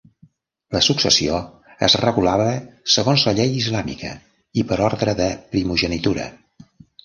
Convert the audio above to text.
La successió es regulava segons la llei islàmica i per ordre de primogenitura.